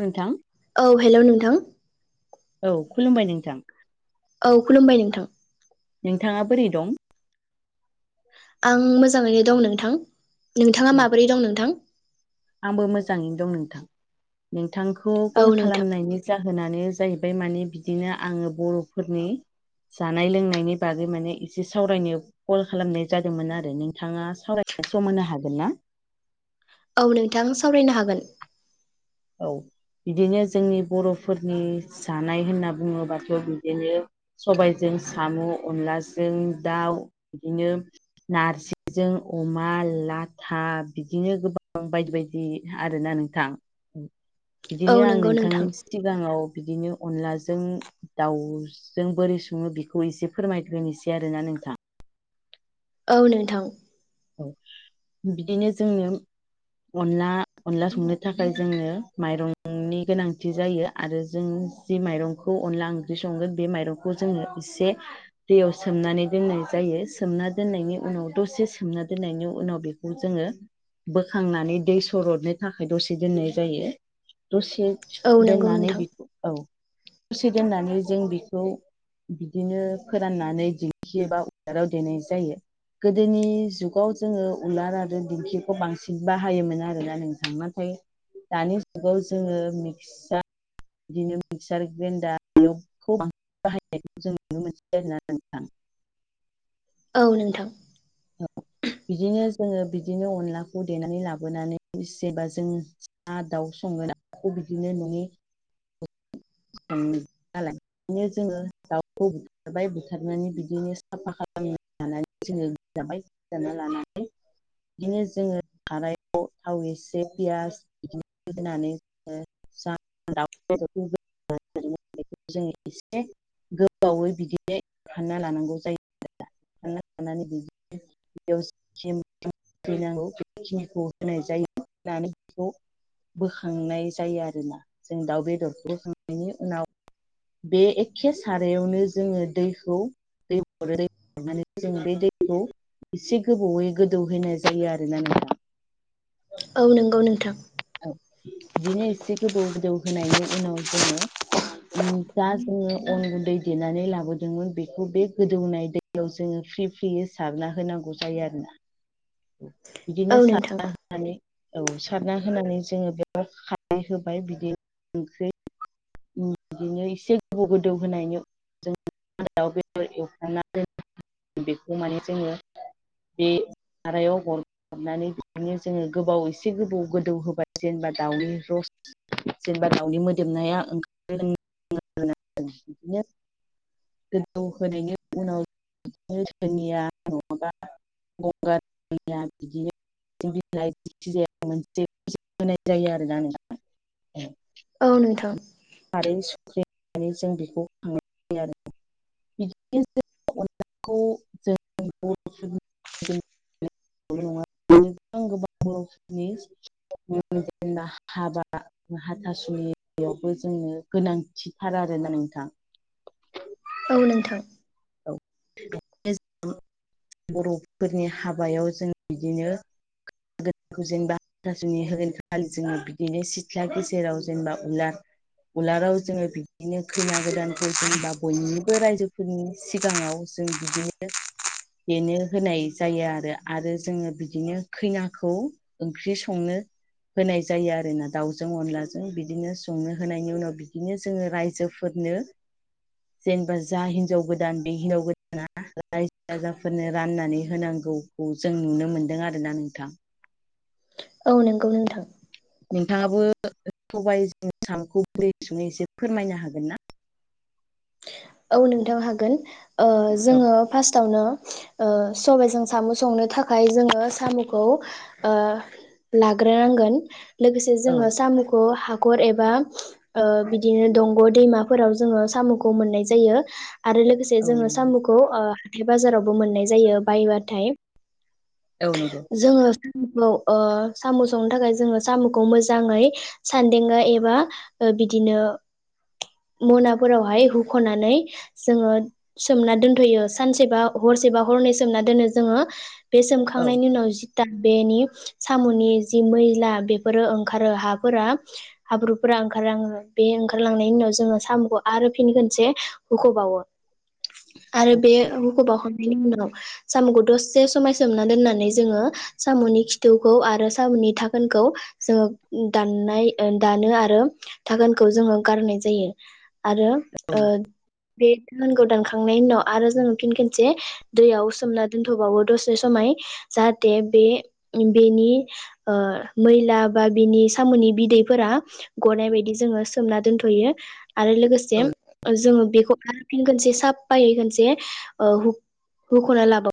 नोंथां औ हेलौ नोंथां औ खुलुमबाय नोंथां औ खुलुमबाय नोंथां नोंथाङा बोरै दं आं मोजाङैनो दं नोंथां औ नोंथाङा माबोरै दं नोंथां आंबो मोजाङैनो दं नोंथां नोंथांखौ औ कल नोंथां खालामनायनि जाहोनानो जाहैबाय माने बिदिनो आङो बर'फोरनि जानाय लोंनायनि बागै माने एसे सावरायनो कल खालामनाय जादोंमोन आरो नोंथाङा सावरायनाय सम होनो हागोन ना औ नोंथां सावरायनो हागोन औ बिदिनो जोंनि बर'फोरनि जानाय होनना बुङोबाथ' बिदिनो सबायजों साम' अनलाजों दाउ बिदिनो नारजिजों अमा लाथा बिदिनो गोबां बायदि बायदि बि आरोना नोंथां औ बिदिनो आं नंगौ नोंथां नोंथांनि सिगाङाव बिदिनो अनलाजों दाउजों बोरै सङो बेखौ एसे फोरमायग्रोनोसै आरोना नोंथां औ नोंथां औ बिदिनो जोंनो अनला अनला संनो थाखाय जोंनो माइरंनि गोनांथि जायो आरो जों जि माइरंखौ अनला ओंख्रि संगोन बे माइरंखौ जोङो एसे दैयाव सोमनानै दोननाय जायो सोमना दोननायनि उनाव दसे सोमना दोननायनि उनाव बेखौ जोङो बोखांनानै दै सरदनो थाखाय दसे दोननाय जायो दसे औ नंगौ दोननानै नोंथां बेखौ औ दसे दोननानै जों बेखौ बिदिनो फोराननानै दिंखिबा उलाराव देनाय जायो गोदोनि जुग आव जोङो उलार आरो दिंखिखौ बांसिन बाहायोमोन आरोना नोंथां नाथाय दानि जुगाव जोङो मिक्सार बिदिनो मिक्सार ग्रेन्डार बेखौसि बाहायनायखौ जों नुनो मोन आरोना नोंथां औ नोंथां औ बिदिनो जोङो बिदिनो अनलाखौ देनानै लाबोनानै जेनेबा जोंङो ना दाउ संगोना खौ बिदिनो नङि [unintelligible] नालाय बिदिनो जोङो दाउखौ बाय बुथारनानै बिदिनो साफा खालामनानै जोङो जाबाय। जाना लानानै बिदिनो जोङो खानायाव थाव एसे पियास बिदि होनानै जोङो [unintelligible] गोबावै बिदिनो खानना लानांगौ जायो [unintelligible] नांगौ बेखिनिखौ होनाय जायो होनानै बेखौ बोखांनाय जायो आरोना जों दाउ बेदरखौ बोखांनायनि उनाव बे एखे सारायावनो जोङो दैखौ [unintelligible] जोङो बे दैखौ एसे गोबावयै गोदौहैाय जायो आर ना नों औ नोंगौ नोंथां औ बिदिनो एसे गोदौ गोदौ होनायनि उनाव जोङो उम जा जोङो अन गुन्दै देनानै लाबोदोंमोन बेखौ बे गोदौनाय दै नाव जोङो फ्रि फ्रियै सारना होनांगौ जायो आरोना बिदिनो औ नोंथां सारना होनानै औ सारना होनानै जोङो बेयाव खारै होबाय बिदिनो ओंख्रि बिदिनो एसे गोबौ गोदौ होनायनि जों [unintelligible] एवखांना दोनो बेखौ माने जोङो बे सारायाव गराबनानै बिदिनो जोङो गोबाव एसे गोबाव गोदौ होबाय जेनेबा दाउनि रस जेनेबा दाउनि मोदोमनाया ओं [inaudible] [unintelligible] गोजौ होनायनि उनाव बिदिनो सोरोनिया नङाबा गंगार दुन्दिया बिदिनो [unintelligible] [inaudible] होनाय जायो आरो नोंथां औ नोंथां। खारै सुख्रि होननानै जों बेखौ खांनाय जायो आरो बिदिनो [unintelligible] [inaudible] [unintelligible] [inaudible] जेनब हाबा हाथासुनि जोंनो गोनांथिथार आरोना नोंथां। औ नोंथां। औ [inaudible] बर'फोरनि हाबायाव जों बिदिनो जेनेबा जुनि होगोन खा खालि जोङो बिदिनो सिथ्ला गेजेराव जेनेबा उलार उलाराव जोङो बिदिनो खैना गोदानखौ जेनबा बयनिबो रायजो फोरनि सिगाङाव जों बिदिनो बेनो होनाय जायो आरो आरो जोङो बिदिनो खैनाखौ ओंख्रि संनो होनाय जायो आरोना दाउजों अनलाजों बिदिनो संङो। होनायनि उनाव बिदिनो जोङो रायजोफोरनो जेनेबा जा हिनजाव गोदान बे हिनजाव गोदाना रायजो राजाफोरनो राननानै होनांगौ खौ जों नुनो मोनदों आरोोना नोंथां। औ नंगौ नोंथां। नोंथाङाबो सबायाइ सामखौ बुरै सुङै एसे फोरमायनो हागोन ना? औ नोंथां हागोन। औ जोङो फार्स्टआवनो औ सबायजों साम' संनो थाखाय जोङो साम'खौ ओ लाग्रोनांगोन लोगोसे औ जोङो साम'खौ हाखर एबा ओ बिदिनो दंग' दैमा फोराव जोङो साम'खौ मोननाय जायो आरो लोगोसे औ जोङो साम'खौ ओ हाथाइ बाजारावबो मोननाय जायो बायबाथाय औ नंगौ। जोङो साम'खौ साम' संनो थाखाय जोङो साम'खौ मोजाङै सानदेंगा एबा बिदिनो मोनाफोरावहाय होुख'नानै जोङो सोमना दोनथ'यो सानसेबा हरसेबा हरनै सोमना दोनो जोङो बे सोम औ थांनायनि उनाव जि दा बेनि साम'नि जि मैला बेफोरो ओंखारो हाफोरा हाब्रुफोरा ओंखारलाङो बे ओंखारलांनायनि उनाव जोङो साम'खौ आरो फिनि खनसे हुख'बावो [inaudible] आरो बे हुखबावखांनायनि उनाव साम'खौ दसेसे समाय सोमना दोननानै नानै जोङो साम'नि खिथौखौ आरो साम'नि थाखोनखौ जोङो दाननाय दानो आरो थाखोनखौ जोङो गारनाय जायो। आरो ओ बे दाहानखौ दानखांनायनि उनाव आरो जों फिन खनसे दैयाव सोमना दोनथ'बावो दसे समाय जाहाथे बे बेनि ओ मैला बा बिनि साम'नि बिदैफोरा गनाय बायदि जोङो सोमना दोनथ'यो आरो लोगोसे औ जोङो बेखौ आ खनसे साफायै खोनसे हुख'ना लाबो